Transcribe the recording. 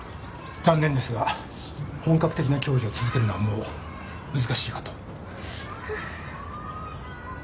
残念ですが本格的な競技を続けるのはもう難しいかと